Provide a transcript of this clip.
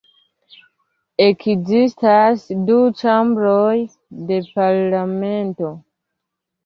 Ekzistas du ĉambroj de parlamento.